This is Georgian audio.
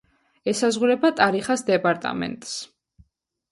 ესაზღვრება ტარიხას დეპარტამენტს.